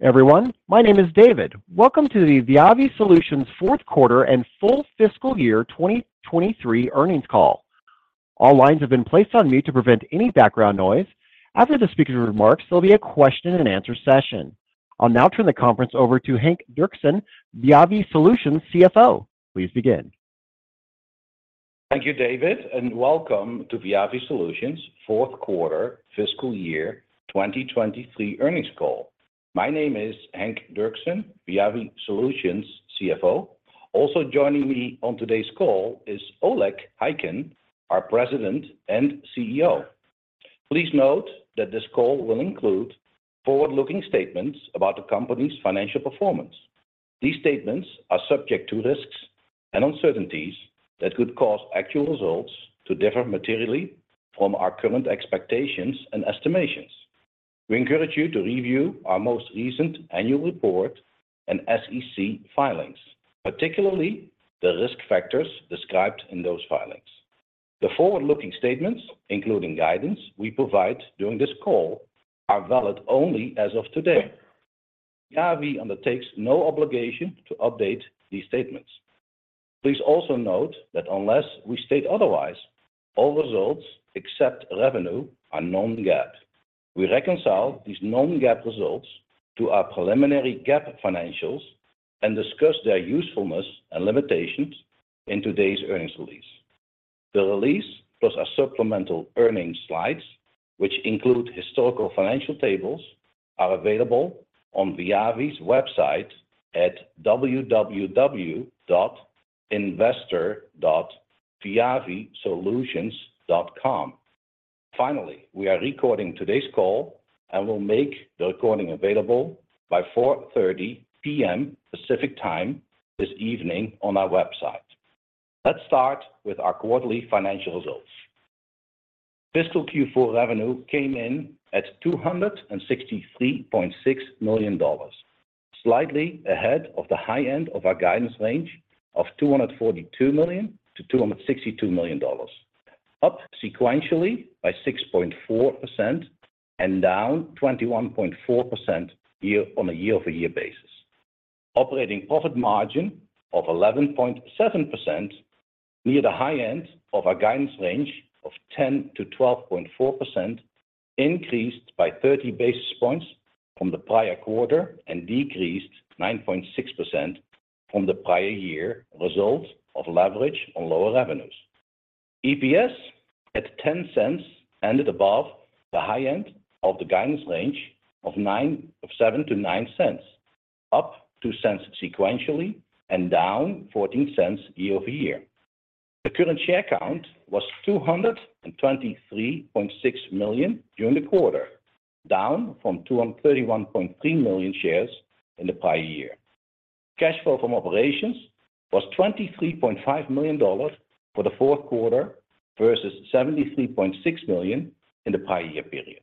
Hello, everyone. My name is David. Welcome to the Viavi Solutions fourth quarter and full fiscal year 2023 earnings call. All lines have been placed on mute to prevent any background noise. After the speaker's remarks, there'll be a question and answer session. I'll now turn the conference over to Henk Derksen, Viavi Solutions CFO. Please begin. Thank you, David, and welcome to Viavi Solutions fourth quarter fiscal year 2023 earnings call. My name is Henk Derksen, Viavi Solutions CFO. Also joining me on today's call is Oleg Khaykin, our President and CEO. Please note that this call will include forward-looking statements about the company's financial performance. These statements are subject to risks and uncertainties that could cause actual results to differ materially from our current expectations and estimations. We encourage you to review our most recent annual report and SEC filings, particularly the risk factors described in those filings. The forward-looking statements, including guidance we provide during this call, are valid only as of today. Viavi undertakes no obligation to update these statements. Please also note that unless we state otherwise, all results except revenue are non-GAAP. We reconcile these non-GAAP results to our preliminary GAAP financials and discuss their usefulness and limitations in today's earnings release. The release, plus our supplemental earnings slides, which include historical financial tables, are available on Viavi's website at www.investor.viavisolutions.com. We are recording today's call, and we'll make the recording available by 4:30 P.M. Pacific Time this evening on our website. Let's start with our quarterly financial results. Fiscal Q4 revenue came in at $263.6 million, slightly ahead of the high end of our guidance range of $242 million to $262 million. Up sequentially by 6.4% and down 21.4% year, on a year-over-year basis. Operating profit margin of 11.7%, near the high end of our guidance range of 10%-12.4%, increased by 30 basis points from the prior quarter and decreased 9.6% from the prior year result of leverage on lower revenues. EPS at $0.10 ended above the high end of the guidance range of $0.07-$0.09, up $0.02 sequentially and down $0.14 year-over-year. The current share count was 223.6 million during the quarter, down from 231.3 million shares in the prior year. Cash flow from operations was $23.5 million for the fourth quarter, versus $73.6 million in the prior year period.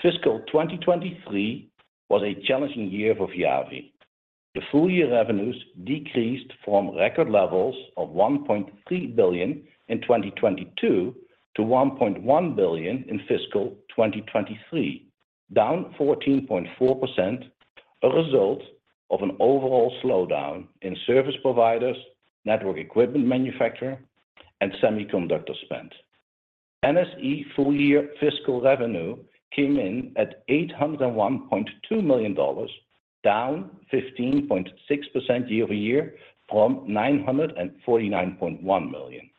Fiscal 2023 was a challenging year for Viavi. The full year revenues decreased from record levels of $1.3 billion in 2022 to $1.1 billion in fiscal 2023, down 14.4%, a result of an overall slowdown in service providers, network equipment manufacturer, and semiconductor spend. NSE full year fiscal revenue came in at $801.2 million, down 15.6% year-over-year from $949.1 million.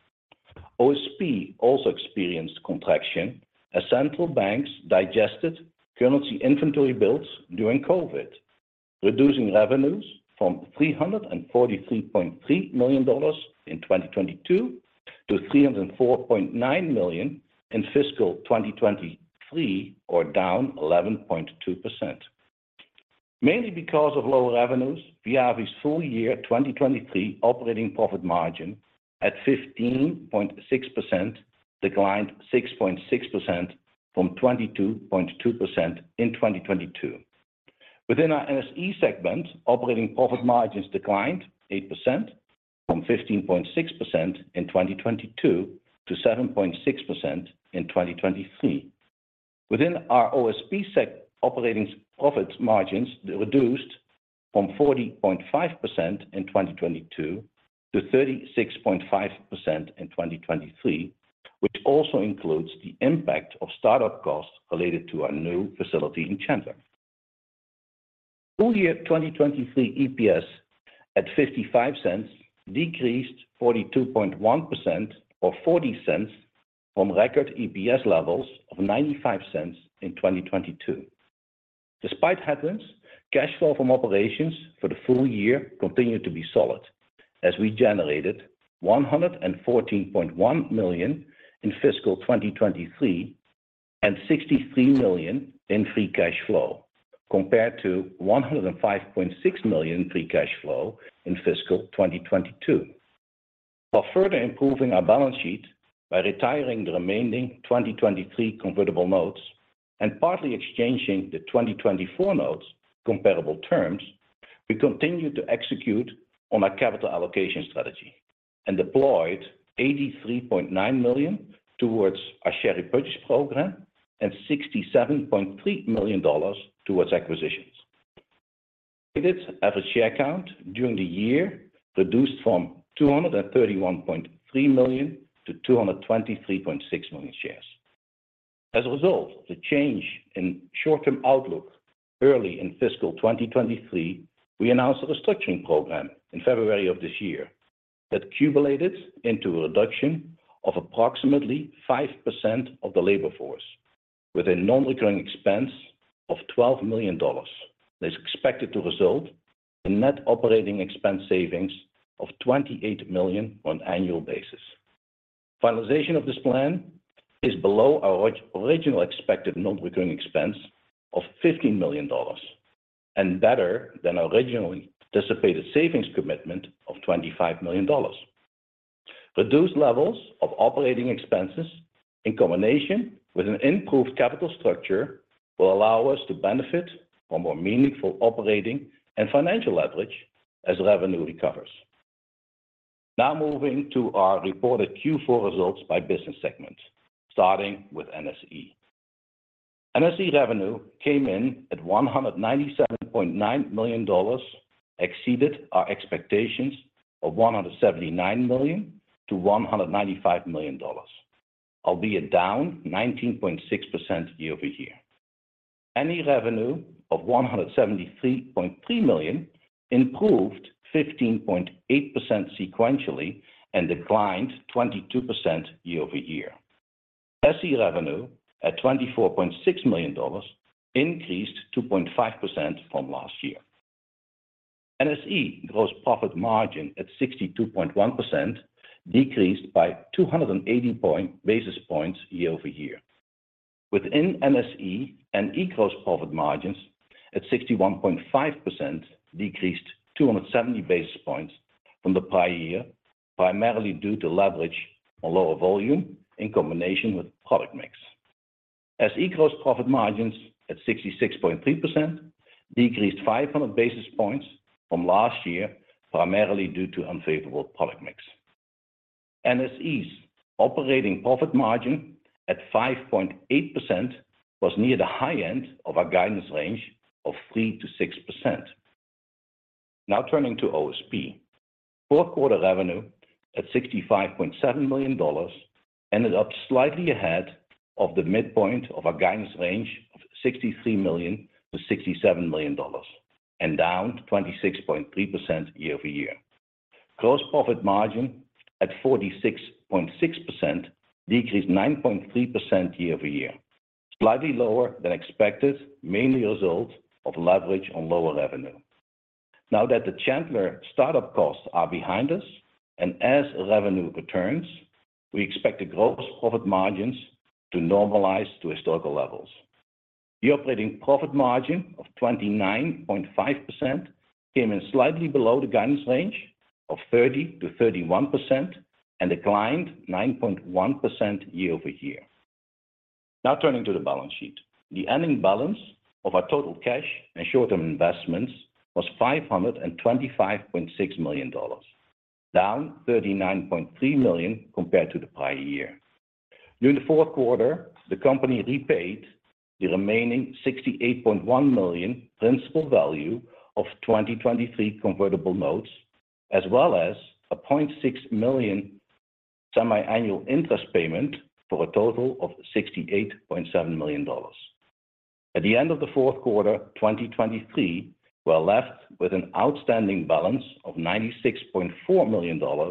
OSP also experienced contraction as central banks digested currency inventory builds during COVID, reducing revenues from $343.3 million in 2022 to $304.9 million in fiscal 2023, or down 11.2%. Mainly because of lower revenues, Viavi's full year 2023 operating profit margin at 15.6%, declined 6.6% from 22.2% in 2022. Within our NSE segment, operating profit margins declined 8% from 15.6% in 2022 to 7.6% in 2023. Within our OSP operating profit margins reduced from 40.5% in 2022 to 36.5% in 2023, which also includes the impact of start-up costs related to our new facility in Chandler. Full year, 2023 EPS at $0.55, decreased 42.1% or $0.40 from record EPS levels of $0.95 in 2022. Despite headwinds, cash flow from operations for the full year continued to be solid, as we generated $114.1 million in fiscal 2023, and $63 million in free cash flow, compared to $105.6 million free cash flow in fiscal 2022. While further improving our balance sheet by retiring the remaining 2023 convertible notes and partly exchanging the 2024 notes comparable terms. We continue to execute on our capital allocation strategy. Deployed $83.9 million towards our share repurchase program, and $67.3 million towards acquisitions. Average share count during the year, reduced from 231.3 million to 223.6 million shares. As a result, the change in short-term outlook early in fiscal 2023, we announced a restructuring program in February of this year, that culminated into a reduction of approximately 5% of the labor force, with a non-recurring expense of $12 million. This is expected to result in net operating expense savings of $28 million on annual basis. Finalization of this plan is below our original expected non-recurring expense of $15 million, and better than originally anticipated savings commitment of $25 million. Reduced levels of OpEx, in combination with an improved capital structure, will allow us to benefit from more meaningful operating and financial leverage as revenue recovers. Now moving to our reported Q4 results by business segment, starting with NSE. NSE revenue came in at $197.9 million, exceeded our expectations of $179 million-$195 million, albeit down 19.6% year-over-year. NE revenue of $173.3 million improved 15.8% sequentially, and declined 22% year-over-year. SE revenue at $24.6 million increased 2.5% from last year. NSE gross profit margin at 62.1%, decreased by 280 basis points year-over-year. Within NSE, NE gross profit margins at 61.5%, decreased 270 basis points from the prior year, primarily due to leverage on lower volume in combination with product mix. SE gross profit margins at 66.3%, decreased 500 basis points from last year, primarily due to unfavorable product mix. NSE's operating profit margin at 5.8%, was near the high end of our guidance range of 3%-6%. Turning to OSP. Fourth quarter revenue at $65.7 million, ended up slightly ahead of the midpoint of our guidance range of $63 million-$67 million, and down 26.3% year-over-year. Gross profit margin at 46.6%, decreased 9.3% year-over-year, slightly lower than expected, mainly a result of leverage on lower revenue. That the Chandler start-up costs are behind us, and as revenue returns, we expect the gross profit margins to normalize to historical levels. The operating profit margin of 29.5% came in slightly below the guidance range of 30%-31%, and declined 9.1% year-over-year. Turning to the balance sheet. The ending balance of our total cash and short-term investments was $525.6 million, down $39.3 million compared to the prior year. During the fourth quarter, the company repaid the remaining $68.1 million principal value of 2023 convertible notes, as well as a $0.6 million semi-annual interest payment, for a total of $68.7 million. At the end of the fourth quarter, 2023, we're left with an outstanding balance of $96.4 million on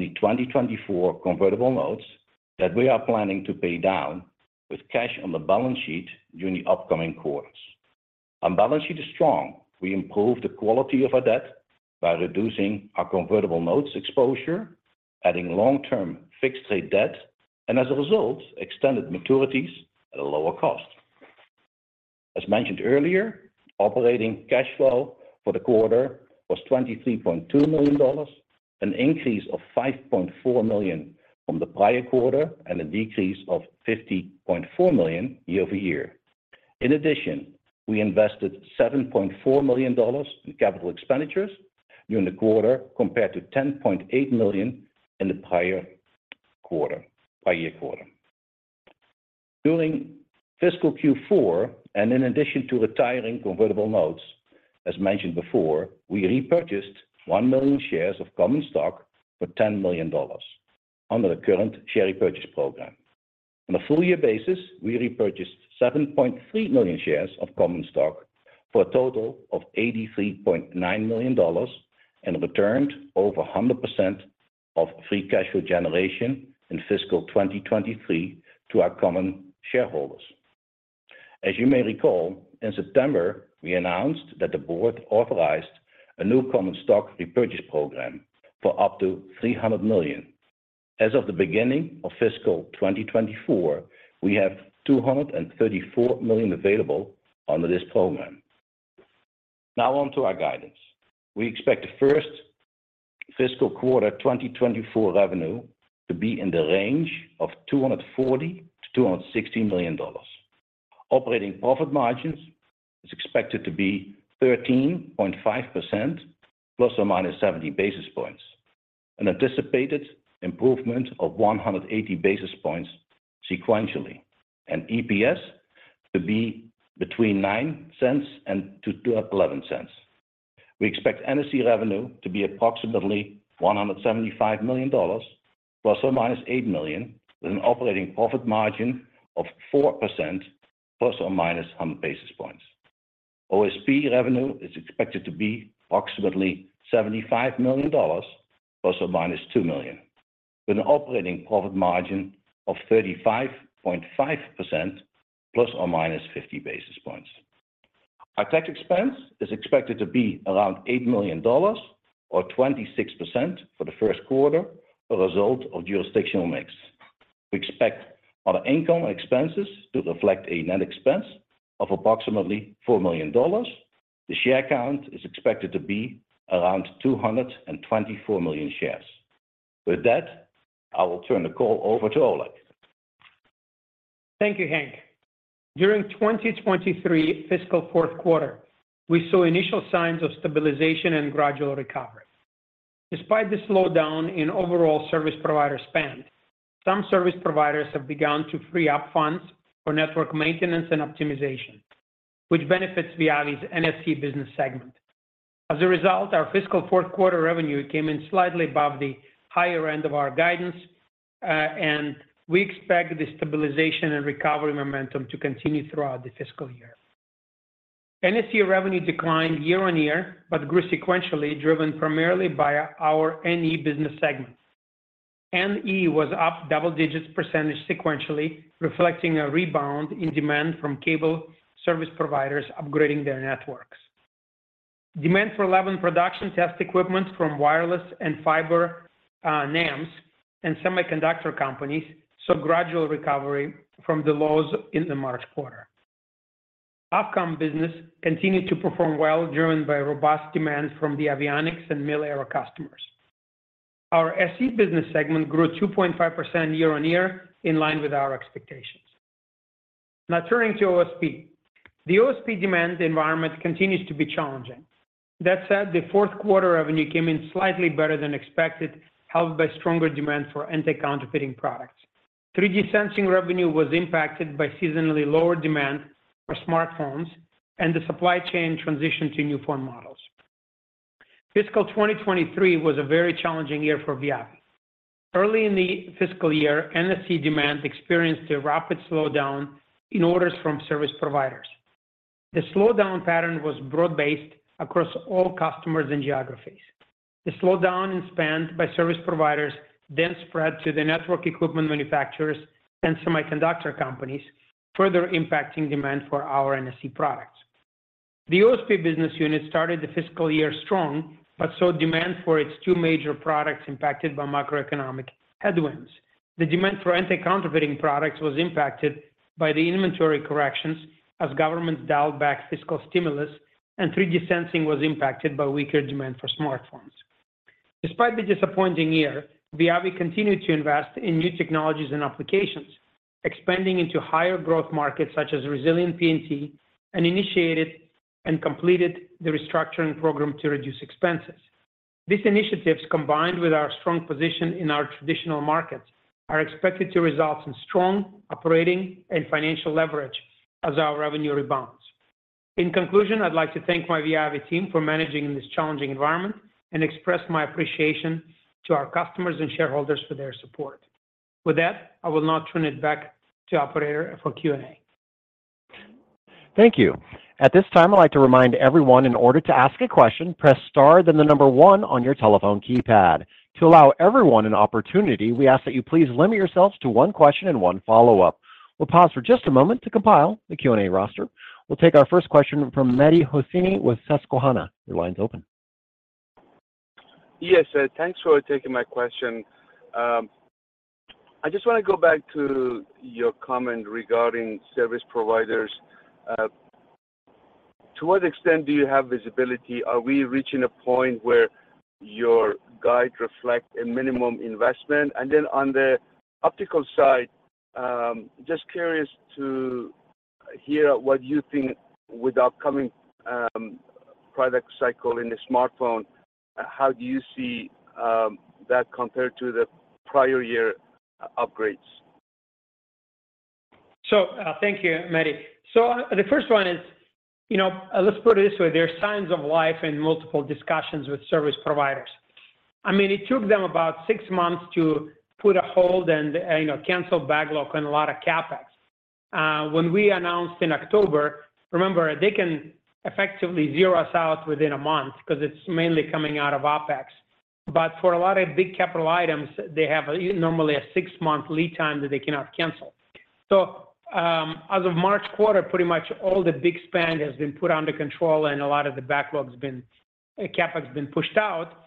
the 2024 convertible notes, that we are planning to pay down with cash on the balance sheet during the upcoming quarters. Our balance sheet is strong. We improved the quality of our debt by reducing our convertible notes exposure, adding long-term fixed rate debt, and as a result, extended maturities at a lower cost. As mentioned earlier, operating cash flow for the quarter was $23.2 million, an increase of $5.4 million from the prior quarter, and a decrease of $50.4 million year-over-year. In addition, we invested $7.4 million in capital expenditures during the quarter, compared to $10.8 million in the prior quarter, prior year quarter. During fiscal Q4, in addition to retiring convertible notes, as mentioned before, we repurchased 1 million shares of common stock for $10 million under the current share repurchase program. On a full year basis, we repurchased 7.3 million shares of common stock for a total of $83.9 million, returned over 100% of free cash flow generation in fiscal 2023 to our common shareholders. As you may recall, in September, we announced that the board authorized a new common stock repurchase program for up to $300 million. As of the beginning of fiscal 2024, we have $234 million available under this program. On to our guidance. We expect fiscal quarter 2024 revenue to be in the range of $240 million-$260 million. Operating profit margins is expected to be 13.5%, ±70 basis points. An anticipated improvement of 180 basis points sequentially, and EPS to be between $0.09 and $0.11. We expect NSE revenue to be approximately $175 million, ±$8 million, with an operating profit margin of 4%, ±100 basis points. OSP revenue is expected to be approximately $75 million, ±$2 million, with an operating profit margin of 35.5%, ±50 basis points. Our tax expense is expected to be around $8 million or 26% for the first quarter, a result of jurisdictional mix. We expect our income expenses to reflect a net expense of approximately $4 million. The share count is expected to be around 224 million shares. With that, I will turn the call over to Oleg. Thank you, Henk. During 2023 fiscal fourth quarter, we saw initial signs of stabilization and gradual recovery. Despite the slowdown in overall service provider spend, some service providers have begun to free up funds for network maintenance and optimization, which benefits Viavi's NSE business segment. As a result, our fiscal fourth quarter revenue came in slightly above the higher end of our guidance. We expect the stabilization and recovery momentum to continue throughout the fiscal year. NSE revenue declined year-on-year, but grew sequentially, driven primarily by our NE business segment. NE was up double-digits % sequentially, reflecting a rebound in demand from cable service providers upgrading their networks. Demand for 11 production test equipment from wireless and fiber NEMs and semiconductor companies, saw gradual recovery from the lows in the March quarter. AvComm business continued to perform well, driven by robust demand from the avionics and mil-aero customers. Our SE business segment grew 2.5% year-over-year, in line with our expectations. Turning to OSP. The OSP demand environment continues to be challenging. That said, the fourth quarter revenue came in slightly better than expected, helped by stronger demand for anti-counterfeiting products. 3D sensing revenue was impacted by seasonally lower demand for smartphones and the supply chain transition to new phone models. Fiscal 2023 was a very challenging year for Viavi. Early in the fiscal year, NSE demand experienced a rapid slowdown in orders from service providers. The slowdown pattern was broad-based across all customers and geographies. The slowdown in spend by service providers spread to the network equipment manufacturers and semiconductor companies, further impacting demand for our NSE products. The OSP business unit started the fiscal year strong, but saw demand for its two major products impacted by macroeconomic headwinds. The demand for anti-counterfeiting products was impacted by the inventory corrections as governments dialed back fiscal stimulus, and 3D sensing was impacted by weaker demand for smartphones. Despite the disappointing year, Viavi continued to invest in new technologies and applications, expanding into higher growth markets such as resilient PNT, and initiated and completed the restructuring program to reduce expenses. These initiatives, combined with our strong position in our traditional markets, are expected to result in strong operating and financial leverage as our revenue rebounds. In conclusion, I'd like to thank my Viavi team for managing in this challenging environment, and express my appreciation to our customers and shareholders for their support. With that, I will now turn it back to operator for Q&A. Thank you. At this time, I'd like to remind everyone in order to ask a question, press star, then the number one on your telephone keypad. To allow everyone an opportunity, we ask that you please limit yourselves to one question and one follow-up. We'll pause for just a moment to compile the Q&A roster. We'll take our first question from Mehdi Hosseini with Susquehanna. Your line's open. Yes, thanks for taking my question. I just want to go back to your comment regarding service providers. To what extent do you have visibility? Are we reaching a point where your guide reflect a minimum investment? Then on the optical side, just curious to hear what you think with the upcoming product cycle in the smartphone, how do you see that compared to the prior year upgrades? Thank you, Mehdi. The first one is, you know, let's put it this way, there are signs of life in multiple discussions with service providers. I mean, it took them about six months to put a hold and, you know, cancel backlog and a lot of CapEx. When we announced in October, remember, they can effectively zero us out within one month because it's mainly coming out of OpEx. For a lot of big capital items, they have normally a six-month lead time that they cannot cancel. As of March quarter, pretty much all the big spend has been put under control and a lot of the backlog has been, CapEx been pushed out.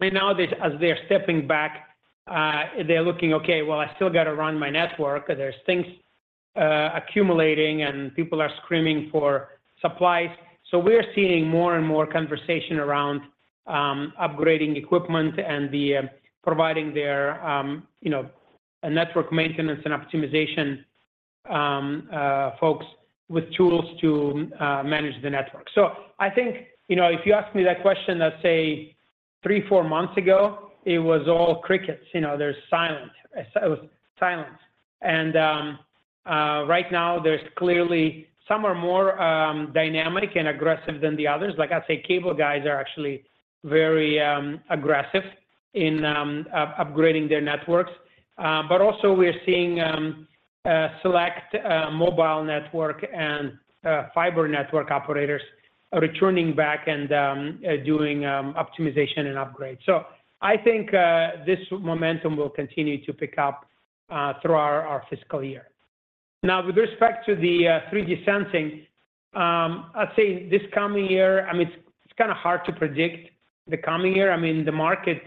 Now that as they are stepping back, they're looking, okay, well, I still got to run my network. There's things accumulating and people are screaming for supplies. We're seeing more and more conversation around, upgrading equipment and the, providing their, you know, a network maintenance and optimization, folks with tools to, manage the network. I think, you know, if you asked me that question, let's say three, four months ago, it was all crickets. You know, there's silence. I said it was silence. Right now, there's clearly some are more, dynamic and aggressive than the others. Like I say, cable guys are actually very, aggressive in, up-upgrading their networks. Also we're seeing, a select, mobile network and, fiber network operators are returning back and, doing, optimization and upgrade. I think, this momentum will continue to pick up, through our, our fiscal year. Now, with respect to the 3D sensing, I'd say this coming year, I mean, it's kinda hard to predict the coming year. I mean, the market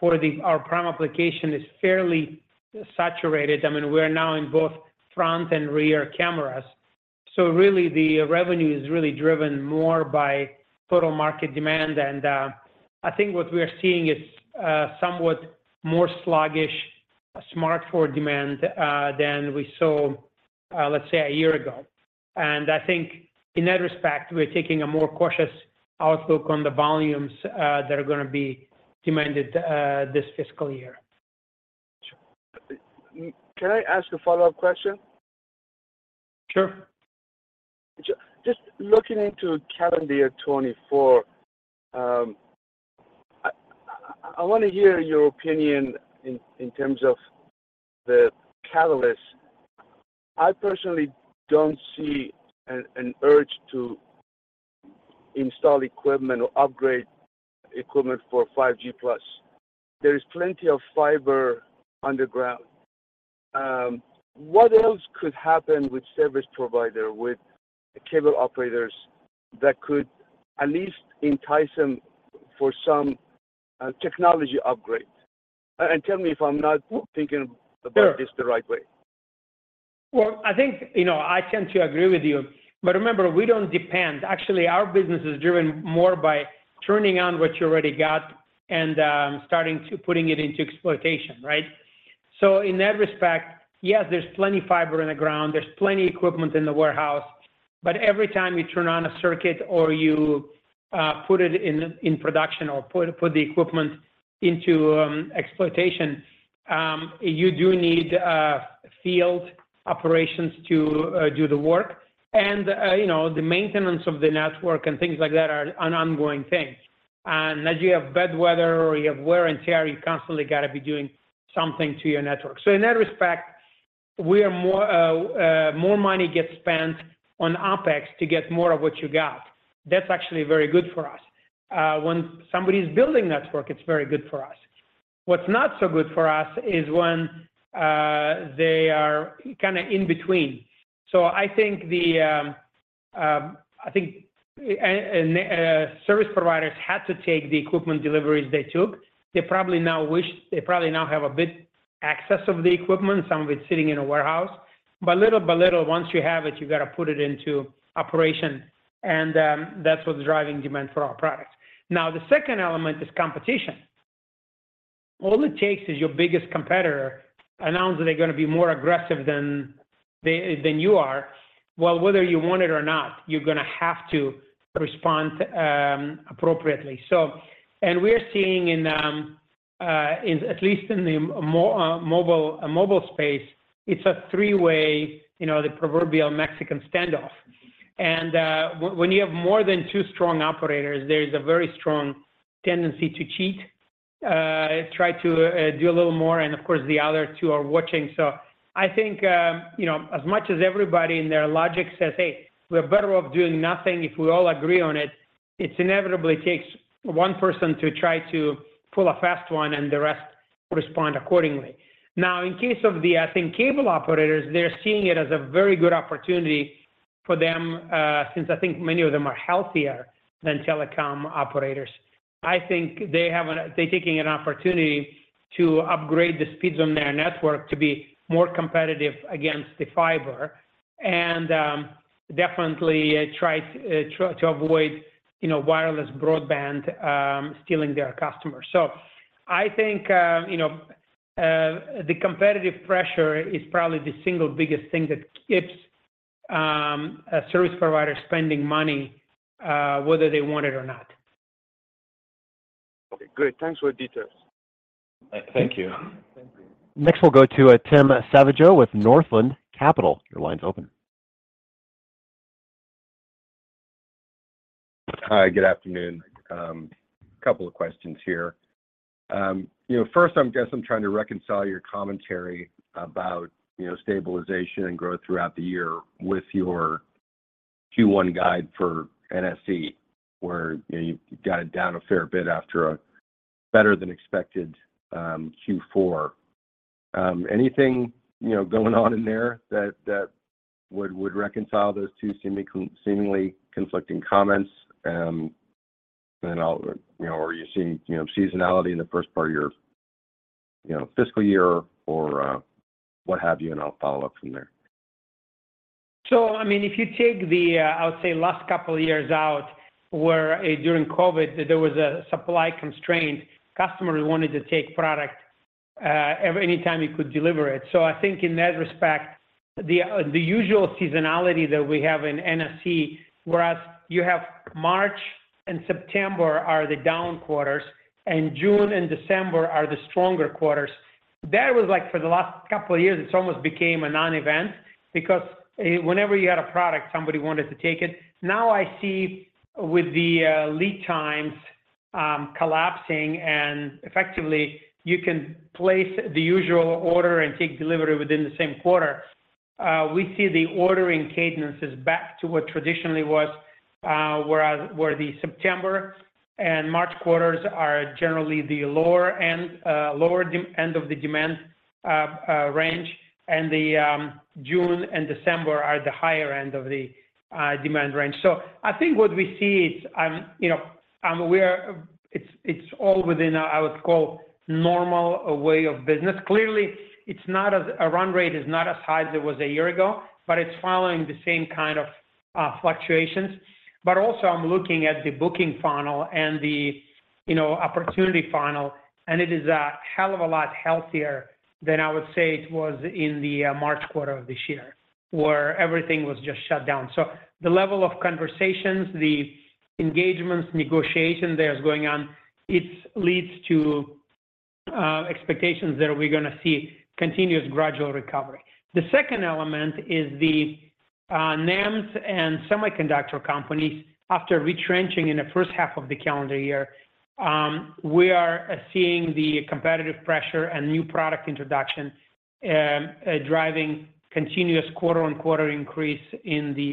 for our prime application is fairly saturated. I mean, we're now in both front and rear cameras. Really, the revenue is really driven more by total market demand, and I think what we are seeing is somewhat more sluggish smartphone demand than we saw, let's say, a year ago. I think in that respect, we're taking a more cautious outlook on the volumes that are gonna be demanded this fiscal year. Can I ask a follow-up question? Sure. Just, just looking into calendar year 2024, I, I wanna hear your opinion in, in terms of the catalyst. I personally don't see an, an urge to install equipment or upgrade equipment for 5G+. There is plenty of fiber underground. What else could happen with service provider, with cable operators that could at least entice them for some technology upgrade? Tell me if I'm not thinking. Sure. About this the right way. I think, you know, I tend to agree with you, but remember, we don't depend. Actually, our business is driven more by turning on what you already got and starting to putting it into exploitation, right? In that respect, yes, there's plenty fiber in the ground, there's plenty equipment in the warehouse, but every time you turn on a circuit or you put it in, in production or put, put the equipment into exploitation, you do need field operations to do the work. You know, the maintenance of the network and things like that are an ongoing thing. As you have bad weather or you have wear and tear, you constantly got to be doing something to your network. In that respect, we are more, more money gets spent on OpEx to get more of what you got. That's actually very good for us. When somebody's building network, it's very good for us. What's not so good for us is when they are kinda in between. I think the, I think service providers had to take the equipment deliveries they took. They probably now have a bit access of the equipment, some of it sitting in a warehouse, but little by little, once you have it, you got to put it into operation, and that's what's driving demand for our products. Now, the second element is competition. All it takes is your biggest competitor announce that they're gonna be more aggressive than they, than you are. Well, whether you want it or not, you're gonna have to respond, appropriately. We're seeing in, in at least in the more, mobile, mobile space, it's a three-way, you know, the proverbial Mexican standoff. When you have more than two strong operators, there is a very strong tendency to cheat, try to, do a little more, and of course, the other two are watching. I think, you know, as much as everybody in their logic says, "Hey, we're better off doing nothing, if we all agree on it," it's inevitably takes one person to try to pull a fast one, and the rest respond accordingly. Now, in case of the, I think, cable operators, they're seeing it as a very good opportunity for them, since I think many of them are healthier than telecom operators. I think they have they're taking an opportunity to upgrade the speeds on their network to be more competitive against the fiber, and definitely try to try to avoid, you know, wireless broadband, stealing their customers. I think, you know, the competitive pressure is probably the single biggest thing that keeps a service provider spending money, whether they want it or not. Okay, great. Thanks for the details. Thank you. Thank you. Next, we'll go to Tim Savageaux with Northland Capital. Your line's open. Hi, good afternoon. A couple of questions here. You know, first, I'm guess I'm trying to reconcile your commentary about, you know, stabilization and growth throughout the year with your Q1 guide for NSE, where, you know, you got it down a fair bit after a better than expected, Q4. Anything, you know, going on in there that, that would, would reconcile those two seemingly, seemingly conflicting comments? Then I'll, you know, or you see, you know, seasonality in the first part of your, you know, fiscal year or, what have you, and I'll follow up from there. I mean, if you take the, I would say, last couple of years out, where, during COVID, there was a supply constraint. Customers wanted to take product, every, anytime you could deliver it. I think in that respect, the, the usual seasonality that we have in NSE, whereas you have March and September are the down quarters, and June and December are the stronger quarters. That was like for the last couple of years, it almost became a non-event because, whenever you had a product, somebody wanted to take it. I see with the, lead times, collapsing and effectively you can place the usual order and take delivery within the same quarter. We see the ordering cadences back to what traditionally was, whereas where the September and March quarters are generally the lower end, lower end of the demand range, and the June and December are the higher end of the demand range. I think what we see is, I'm, you know, I'm aware it's, it's all within, I would call, normal way of business. Clearly, a run rate is not as high as it was a year ago, but it's following the same kind of fluctuations. Also I'm looking at the booking funnel and the, you know, opportunity funnel, and it is a hell of a lot healthier than I would say it was in the March quarter of this year, where everything was just shut down. The level of conversations, the engagements, negotiation that is going on, it leads to expectations that we're going to see continuous gradual recovery. The second element is the NAMs and semiconductor companies. After retrenching in the first half of the calendar year, we are seeing the competitive pressure and new product introduction driving continuous quarter on quarter increase in the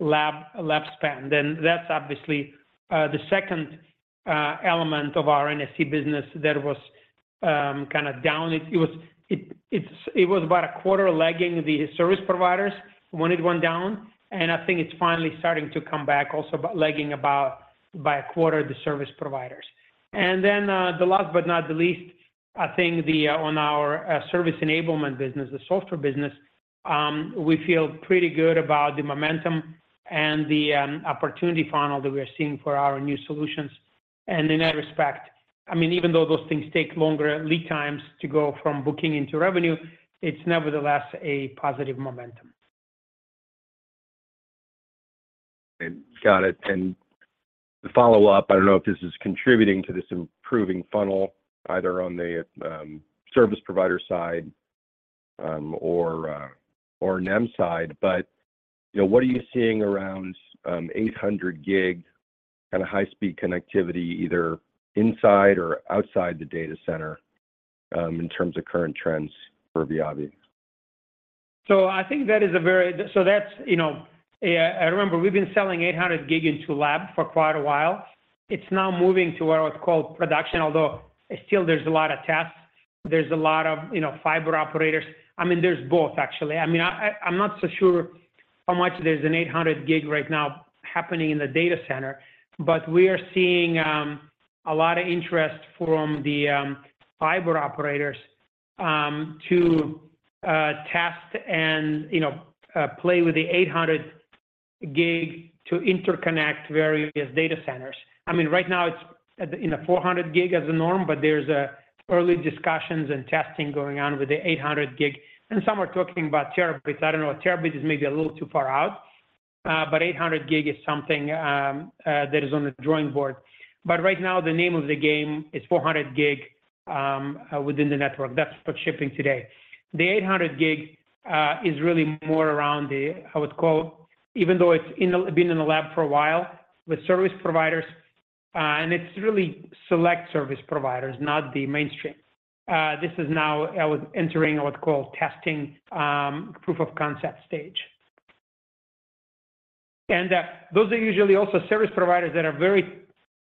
lab spend. That's obviously the second element of our NSE business that was kind of down. It was about a quarter lagging the service providers when it went down, and I think it's finally starting to come back, also about lagging about by a quarter of the service providers. The last but not the least, I think the, on our service enablement business, the software business, we feel pretty good about the momentum and the opportunity funnel that we are seeing for our new solutions. In that respect, I mean, even though those things take longer lead times to go from booking into revenue, it's nevertheless a positive momentum. Got it. The follow-up, I don't know if this is contributing to this improving funnel, either on the service provider side, or NEM side, but, you know, what are you seeing around 800G and a high-speed connectivity, either inside or outside the data center, in terms of current trends for Viavi? I think that is a very-- so that's, you know, I remember we've been selling 800G into lab for quite a while. It's now moving to what I would call production, although still there's a lot of tests, there's a lot of, you know, fiber operators. I mean, there's both, actually. I mean, I'm not so sure how much there's an 800G right now happening in the data center, but we are seeing a lot of interest from the fiber operators to test and, you know, play with the 800G to interconnect various data centers. I mean, right now, it's at the, in the 400G as a norm, but there's early discussions and testing going on with the 800G, and some are talking about terabits. I don't know, a terabit is maybe a little too far out, but 800G is something that is on the drawing board. Right now, the name of the game is 400G within the network. That's what's shipping today. The 800G is really more around the, how it's called, even though it's been in the lab for a while with service providers, and it's really select service providers, not the mainstream. This is now entering what's called testing, proof of concept stage. Those are usually also service providers that are very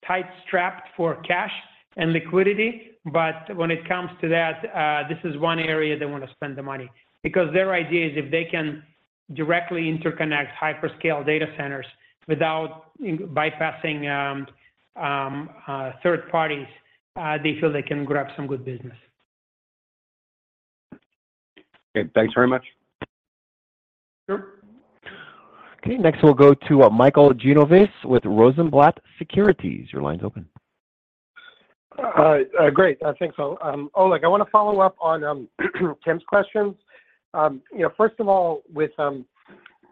tight strapped for cash and liquidity, but when it comes to that, this is one area they want to spend the money. Their idea is if they can directly interconnect hyperscale data centers without bypassing third parties, they feel they can grab some good business. Okay. Thanks very much. Sure. Okay, next, we'll go to Michael Genovese with Rosenblatt Securities. Your line's open. great. I think so. Oleg, I want to follow up on Tim's questions. you know, first of all, with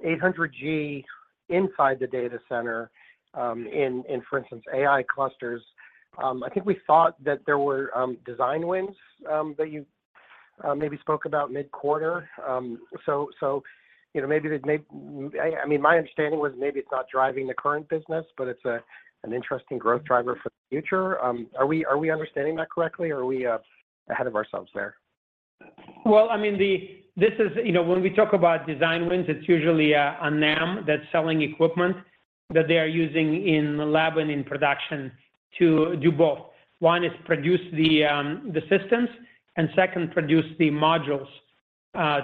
800G inside the data center, in, in, for instance, AI clusters, I think we thought that there were design wins that you maybe spoke about mid-quarter. so, you know, maybe the I, I mean, my understanding was maybe it's not driving the current business, but it's a, an interesting growth driver for the future. Are we, are we understanding that correctly, or are we ahead of ourselves there? Well, I mean, this is. You know, when we talk about design wins, it's usually a NEM that's selling equipment that they are using in the lab and in production to do both. One is produce the systems, and second, produce the modules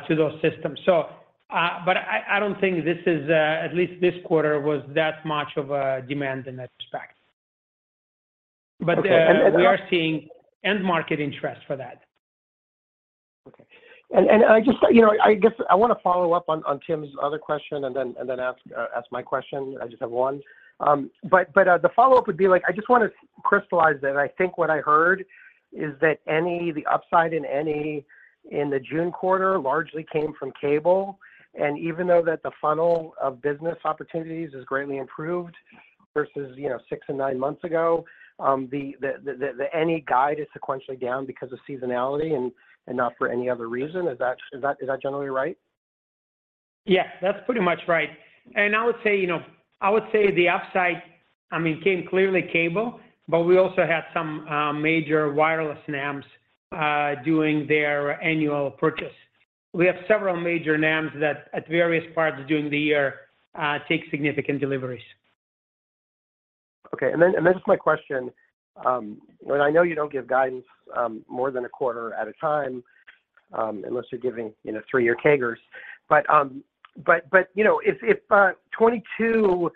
to those systems. But I don't think this is, at least this quarter, was that much of a demand in that respect. But- Okay. We are seeing end market interest for that. Okay. I just, you know, I guess I wanna follow up on Tim's other question and then, and then ask my question. I just have one. But the follow-up would be like, I just wanna crystallize that. I think what I heard is that the upside in NE in the June quarter largely came from cable. Even though that the funnel of business opportunities is greatly improved versus, you know, six and nine months ago, the NE guide is sequentially down because of seasonality and not for any other reason. Is that generally right? Yes, that's pretty much right. I would say, you know, I would say the upside, I mean, came clearly cable, but we also had some major wireless NEMs doing their annual purchase. We have several major NEMs that at various parts during the year take significant deliveries. Okay. This is my question, and I know you don't give guidance more than a quarter at a time, unless you're giving, you know, three-year CAGRs. But, you know, if 2022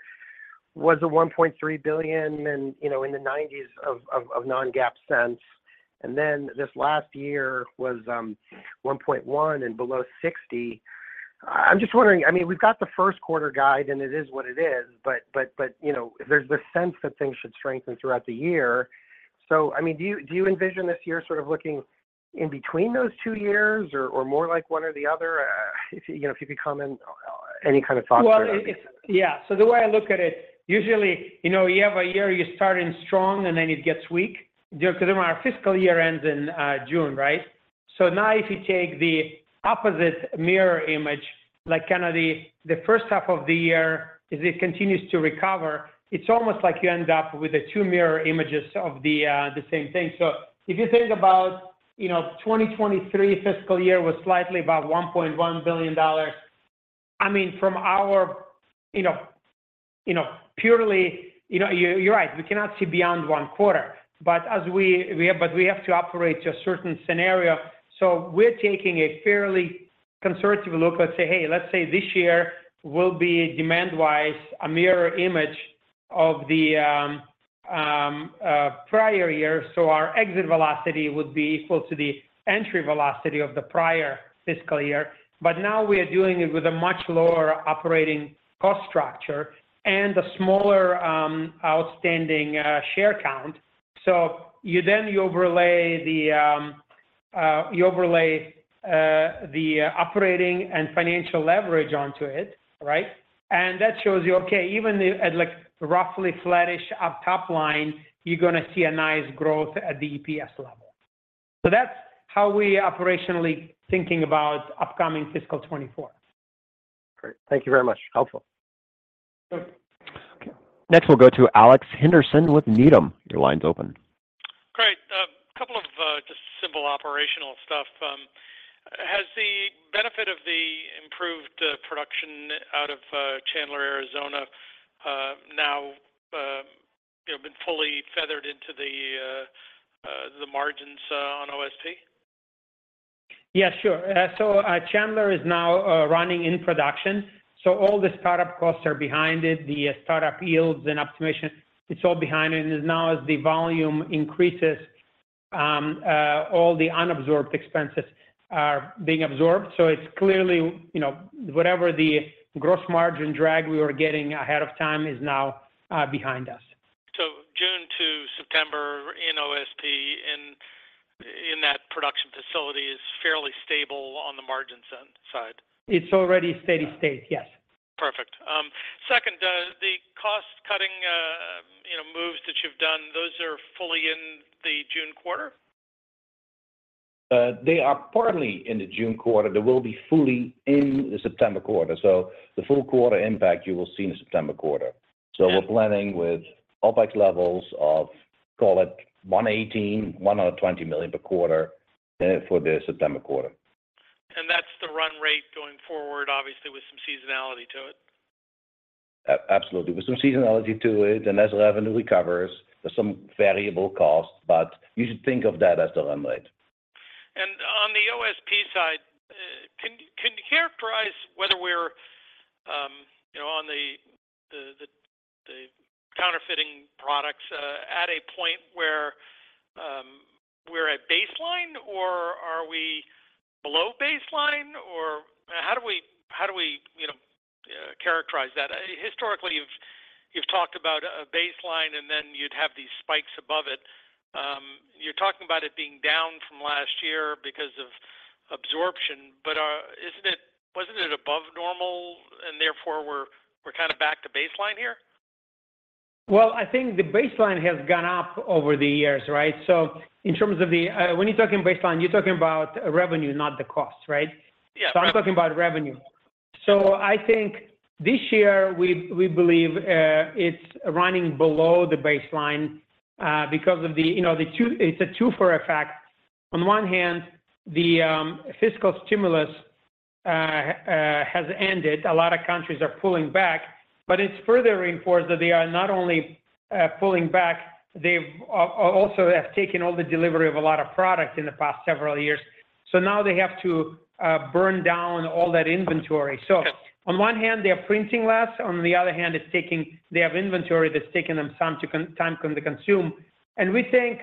was a $1.3 billion and, you know, in the $0.90s of non-GAAP sense, and then this last year was $1.1 and below $0.60, I'm just wondering, I mean, we've got the 1st quarter guide, and it is what it is, but, you know, there's this sense that things should strengthen throughout the year. I mean, do you, do you envision this year sort of looking in between those two years or, or more like one or the other? If, you know, if you could comment, any kind of thoughts there. Well, it's yeah. The way I look at it, usually, you know, you have a year, you're starting strong, and then it gets weak, because then our fiscal year ends in June, right? Now if you take the opposite mirror image, like kind of the first half of the year, as it continues to recover, it's almost like you end up with the two mirror images of the same thing. If you think about, you know, 2023 fiscal year was slightly about $1.1 billion. I mean, from our, you know, purely. You know, you're right, we cannot see beyond one quarter. As we, but we have to operate to a certain scenario. We're taking a fairly conservative look. Let's say, hey, let's say this year will be demand-wise, a mirror image of the prior year, so our exit velocity would be equal to the entry velocity of the prior fiscal year. Now we are doing it with a much lower operating cost structure and a smaller outstanding share count. You then you overlay the operating and financial leverage onto it, right? That shows you, okay, even if at like roughly flattish up top line, you're gonna see a nice growth at the EPS level. That's how we operationally thinking about upcoming fiscal 2024. Great. Thank you very much. Helpful. Good. Okay. Next, we'll go to Alex Henderson with Needham. Your line's open. Great, a couple of, just simple operational stuff. Has the benefit of the improved production out of Chandler, Arizona, now, you know, been fully feathered into the margins on OSP? Yes, sure. Chandler is now running in production, so all the startup costs are behind it, the startup yields and optimization, it's all behind it. Now as the volume increases, all the unabsorbed expenses are being absorbed. It's clearly, you know, whatever the gross margin drag we were getting ahead of time is now behind us. June to September in OSP, in, in that production facility is fairly stable on the margin side? It's already steady state, yes. Perfect. Second, the cost-cutting, you know, moves that you've done, those are fully in the June quarter? They are partly in the June quarter. They will be fully in the September quarter. The full quarter impact, you will see in the September quarter. Yeah. We're planning with OpEx levels of, call it $118 million, $120 million per quarter, for the September quarter. That's the run rate going forward, obviously, with some seasonality to it? Absolutely. With some seasonality to it, and as revenue recovers, there's some variable costs, but you should think of that as the run rate. On the OSP side, can you, can you characterize whether we're, you know, on the, the, the, the counterfeiting products, at a point where we're at baseline, or are we below baseline, or how do we, how do we, you know, characterize that? Historically, you've, you've talked about a baseline, and then you'd have these spikes above it. You're talking about it being down from last year because of absorption, but isn't it-- wasn't it above normal, and therefore, we're, we're kind of back to baseline here? Well, I think the baseline has gone up over the years, right? In terms of the, when you're talking baseline, you're talking about revenue, not the cost, right? Yeah. I'm talking about revenue. I think this year, we, we believe, it's running below the baseline because of the, you know, the two- it's a two-for effect. On one hand, the fiscal stimulus has ended. A lot of countries are pulling back, but it's further reinforced that they are not only pulling back, they've also have taken all the delivery of a lot of product in the past several years. Now they have to burn down all that inventory. On one hand, they are printing less, on the other hand, they have inventory that's taking them some time, time to consume. We think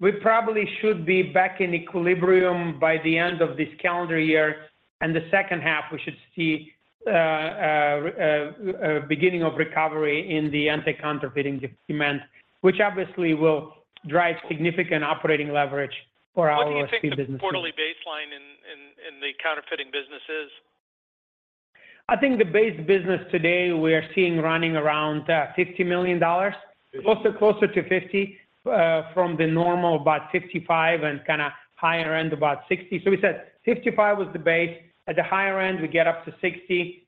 we probably should be back in equilibrium by the end of this calendar year, and the second half, we should see a beginning of recovery in the anti-counterfeiting demand, which obviously will drive significant operating leverage for our business. What do you think the quarterly baseline in, in, in the counterfeiting business is? I think the base business today, we are seeing running around, $50 million, closer, closer to $50, from the normal, about $55 and kinda higher end, about $60. We said $55 was the base. At the higher end, we get up to $60.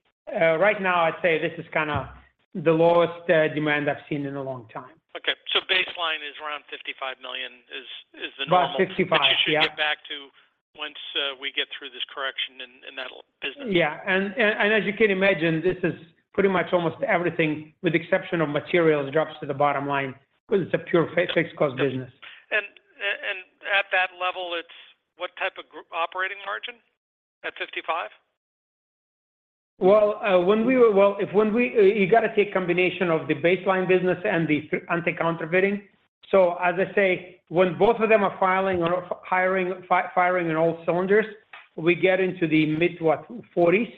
Right now, I'd say this is kinda the lowest demand I've seen in a long time. Okay, baseline is around $55 million is the normal- About $0.55, yeah. You should get back to once, we get through this correction in, in that business. As you can imagine, this is pretty much almost everything, with the exception of materials, drops to the bottom line, because it's a pure fixed cost business. At that level, it's what type of operating margin? At 55%? Well, when you got to take combination of the baseline business and the anti-counterfeiting. As I say, when both of them are filing or firing, firing on all cylinders, we get into the mid what, 40s.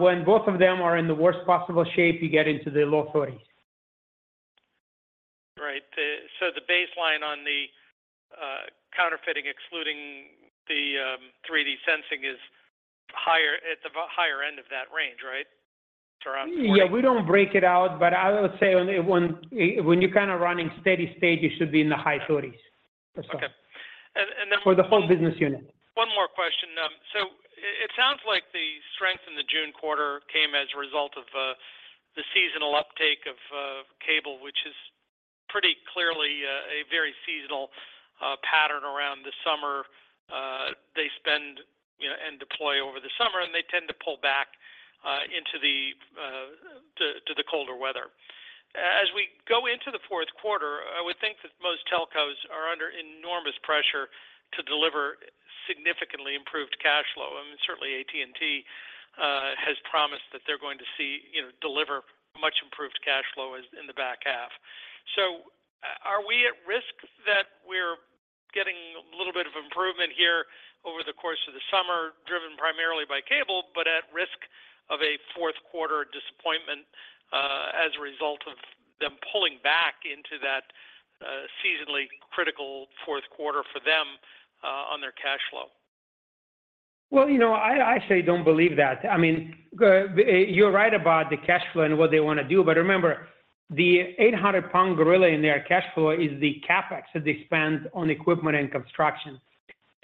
When both of them are in the worst possible shape, you get into the low 40s. Right. The baseline on the, counterfeiting, excluding the, 3D sensing, is higher, at the higher end of that range, right? So around 40. Yeah, we don't break it out, but I would say when, when, when you're kinda running steady state, you should be in the high 40s. Okay. For the whole business unit. One more question. It, it sounds like the strength in the June quarter came as a result of the seasonal uptake of cable, which is pretty clearly a very seasonal pattern around the summer. They spend, you know, and deploy over the summer, and they tend to pull back into the to the colder weather. As we go into the fourth quarter, I would think that most telcos are under enormous pressure to deliver significantly improved cash flow. I mean, certainly AT&T has promised that they're going to see, you know, deliver much improved cash flow as in the back half. Are we at risk that we're getting a little bit of improvement here over the course of the summer, driven primarily by cable, but at risk of a fourth quarter disappointment, as a result of them pulling back into that, seasonally critical fourth quarter for them, on their cash flow? Well, you know, I, I actually don't believe that. I mean, you're right about the cash flow and what they wanna do, but remember, the 800-pound gorilla in their cash flow is the CapEx that they spend on equipment and construction.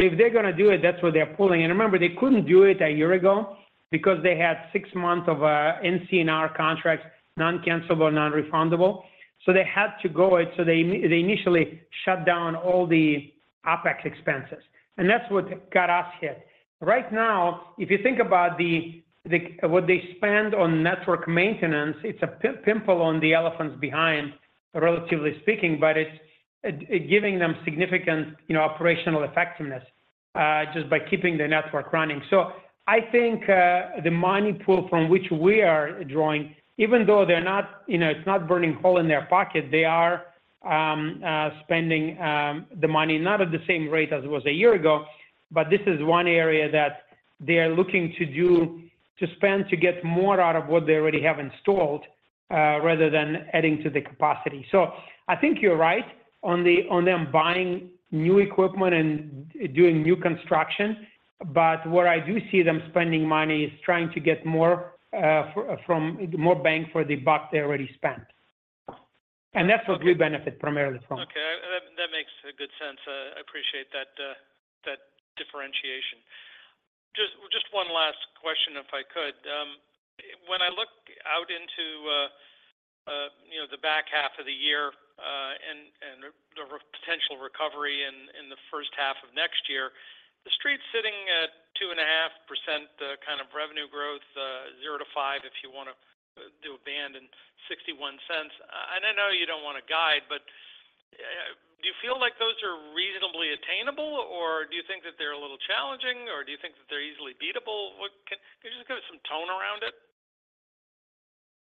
If they're gonna do it, that's what they're pulling. Remember, they couldn't do it a year ago because they had six months of NC&R contracts, non-cancelable, non-refundable. They had to go, so they, they initially shut down all the OpEx expenses, and that's what got us hit. Right now, if you think about the, what they spend on network maintenance, it's a pi-pimple on the elephant's behind, relatively speaking, but it's, it giving them significant, you know, operational effectiveness, just by keeping the network running. I think the money pool from which we are drawing, even though they're not, you know, it's not burning hole in their pocket, they are spending the money, not at the same rate as it was a year ago. This is one area that they are looking to do, to spend, to get more out of what they already have installed, rather than adding to the capacity. I think you're right on them buying new equipment and doing new construction. Where I do see them spending money is trying to get more, more bang for the buck they already spent. That's what we benefit primarily from. Okay, that, that makes good sense. I appreciate that, that differentiation. Just, just one last question, if I could. When I look out into, the back half of the year, and, and, the, the potential recovery in, in the first half of next year, the street's sitting at 2.5%, kind of revenue growth, 0%-5%, if you wanna do a band and $0.61. I know you don't want to guide, but do you feel like those are reasonably attainable, or do you think that they're a little challenging, or do you think that they're easily beatable? What can you just give us some tone around it?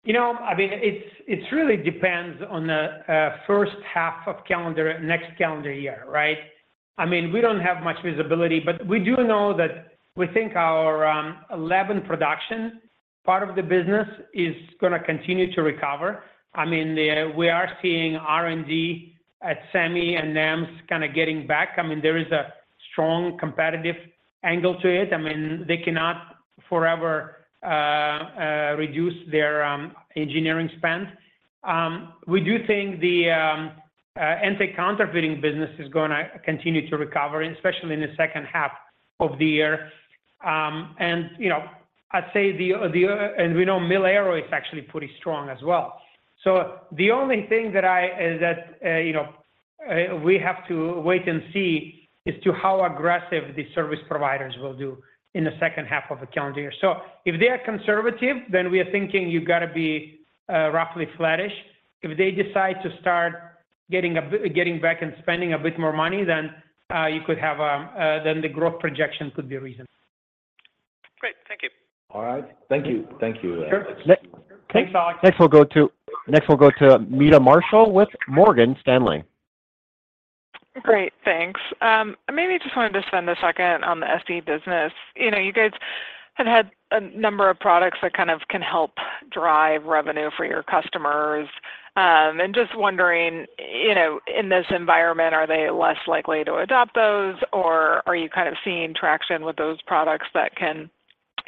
You know, I mean, it, it really depends on the first half of calendar, next calendar year, right? I mean, we don't have much visibility, but we do know that we think our 11 production part of the business is gonna continue to recover. I mean, we are seeing R&D at SEMI and NEMs kinda getting back. I mean, there is a strong competitive angle to it. I mean, they cannot forever reduce their engineering spend. We do think the anti-counterfeiting business is gonna continue to recover, especially in the second half of the year. You know, I'd say, and we know mil-aero is actually pretty strong as well. The only thing that I, is that, you know, we have to wait and see, is to how aggressive the service providers will do in the second half of the calendar year. If they are conservative, then we are thinking you've got to be roughly flattish. If they decide to start getting back and spending a bit more money, then you could have, then the growth projection could be reasonable. Great. Thank you. All right. Thank you. Thank you. Sure. Thanks, Oleg. Next, we'll go to Meta Marshall with Morgan Stanley. Great, thanks. Maybe just wanted to spend a second on the SE business. You know, you guys have had a number of products that kind of can help drive revenue for your customers. Just wondering, you know, in this environment, are they less likely to adopt those, or are you kind of seeing traction with those products that can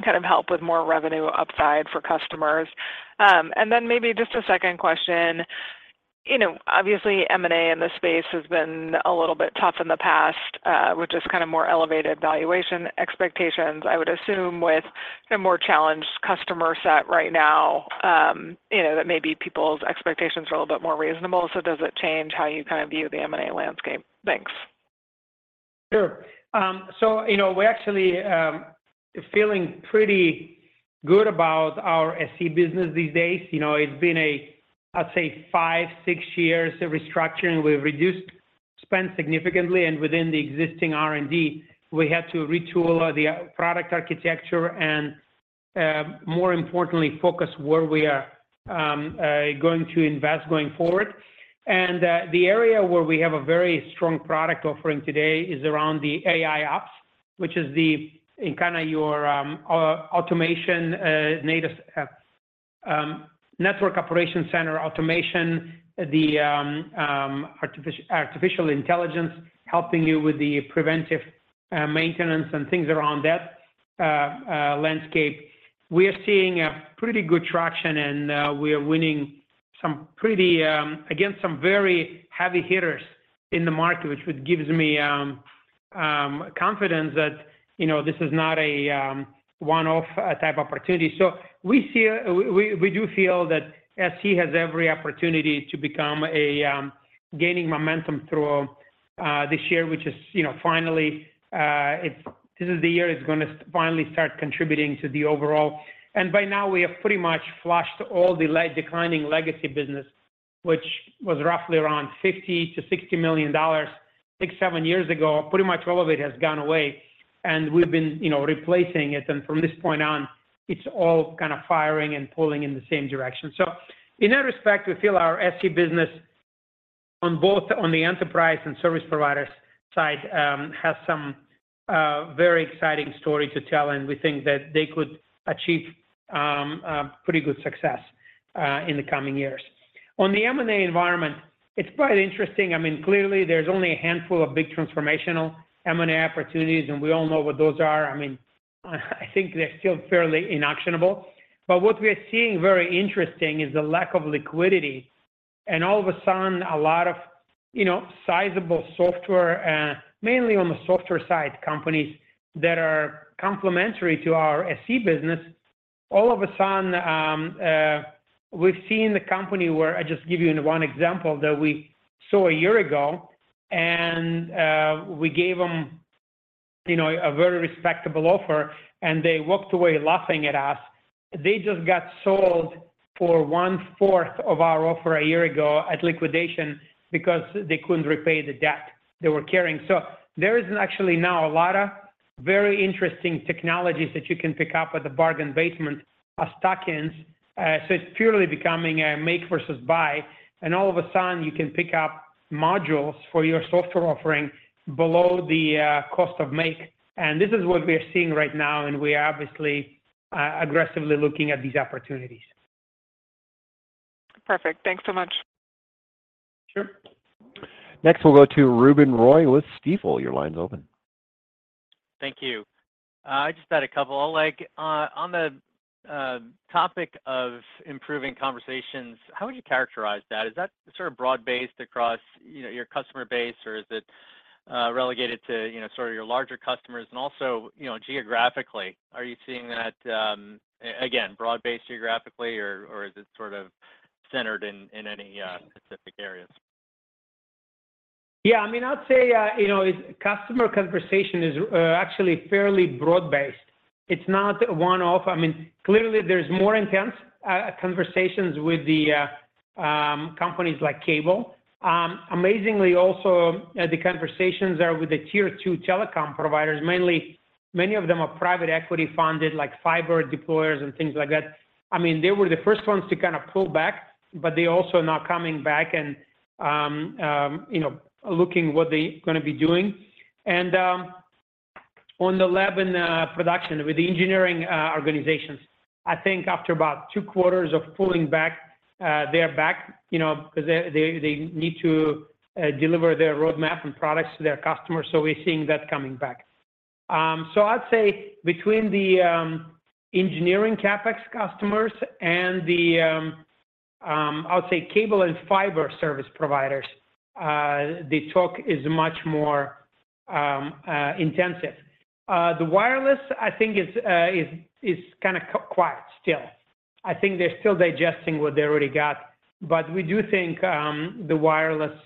kind of help with more revenue upside for customers? Then maybe just a second question. You know, obviously, M&A in this space has been a little bit tough in the past, with just kind of more elevated valuation expectations. I would assume with a more challenged customer set right now, you know, that maybe people's expectations are a little bit more reasonable. Does it change how you kind of view the M&A landscape? Thanks. Sure. You know, we're actually feeling pretty good about our SE business these days. You know, it's been a, I'd say, five, six years of restructuring. We've reduced spend significantly, and within the existing R&D, we had to retool the product architecture and more importantly, focus where we are going to invest going forward. The area where we have a very strong product offering today is around the AIOps, which is the, in kinda your automation, native network operation center, automation, the artificial intelligence, helping you with the preventive maintenance and things around that landscape. We are seeing a pretty good traction, we are winning some pretty, again, some very heavy hitters in the market, which gives me confidence that, you know, this is not a one-off type opportunity. So we feel, we, we, we do feel that SE has every opportunity to become a gaining momentum through this year, which is, you know, finally, this is the year it's gonna finally start contributing to the overall. By now, we have pretty much flushed all the declining legacy business, which was roughly around $50 million-$60 million, six, seven years ago. Pretty much all of it has gone away, and we've been, you know, replacing it. From this point on, it's all kind of firing and pulling in the same direction. In that respect, we feel our SE business on both on the enterprise and service providers side, has some very exciting story to tell, and we think that they could achieve pretty good success in the coming years. On the M&A environment, it's quite interesting. I mean, clearly, there's only a handful of big transformational M&A opportunities, and we all know what those are. I mean, I think they're still fairly inactionable. But what we are seeing very interesting is the lack of liquidity, and all of a sudden, a lot of, you know, sizable software, mainly on the software side, companies that are complementary to our SE business. All of a sudden, we've seen the company where-- I just give you one example, that we saw a year ago, and we gave them, you know, a very respectable offer, and they walked away laughing at us. They just got sold for one-fourth of our offer a year ago at liquidation because they couldn't repay the debt they were carrying. There is actually now a lot of very interesting technologies that you can pick up at the bargain basement, stock ins. It's purely becoming a make versus buy, and all of a sudden, you can pick up modules for your software offering below the cost of make. This is what we are seeing right now, and we are obviously, aggressively looking at these opportunities. Perfect. Thanks so much. Sure. Next, we'll go to Ruben Roy with Stifel. Your line is open. Thank you. I just had a couple. Oleg, on the topic of improving conversations, how would you characterize that? Is that sort of broad-based across, you know, your customer base, or is it relegated to, you know, sort of your larger customers? Also, you know, geographically, are you seeing that again, broad-based geographically, or, or is it sort of centered in, in any specific areas? Yeah, I mean, I'd say, you know, customer conversation is actually fairly broad-based. It's not a one-off. I mean, clearly, there's more intense conversations with the companies like Cable. Amazingly, also, the conversations are with the Tier 2 telecom providers. Mainly, many of them are private equity funded, like fiber deployers and things like that. I mean, they were the first ones to kind of pull back, but they also are now coming back and, you know, looking what they're gonna be doing. On the lab and production with the engineering organizations, I think after about two quarters of pulling back, they are back, you know, because they, they, they need to deliver their roadmap and products to their customers, so we're seeing that coming back. I'd say between the engineering CapEx customers and the, I would say, cable and fiber service providers, the talk is much more intensive. The wireless, I think is kinda quiet still. I think they're still digesting what they already got. We do think the wireless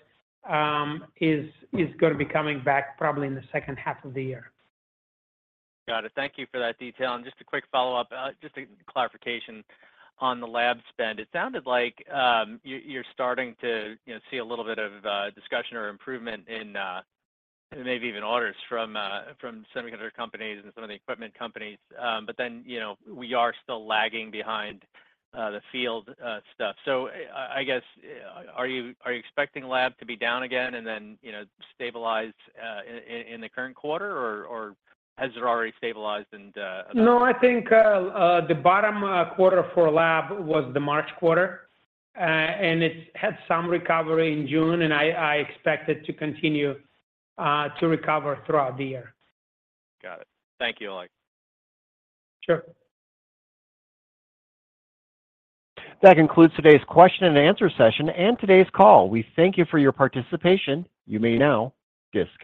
is gonna be coming back probably in the second half of the year. Got it. Thank you for that detail. Just a quick follow-up, just a clarification on the lab spend. It sounded like, you, you're starting to, you know, see a little bit of discussion or improvement in maybe even orders from semiconductor companies and some of the equipment companies, but then, you know, we are still lagging behind the field stuff. I, I guess, are you, are you expecting lab to be down again and then, you know, stabilize in, in, in the current quarter, or, or has it already stabilized? No, I think, the bottom quarter for lab was the March quarter, and it had some recovery in June, and I, I expect it to continue to recover throughout the year. Got it. Thank you, Oleg. Sure. That concludes today's question and answer session and today's call. We thank you for your participation. You may now disconnect.